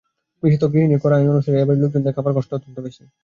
বিশেষত গৃহিণীর কড়া আইন অনুসারে এ বাড়ির লোকজনদের খাবার কষ্ট অত্যন্ত বেশি।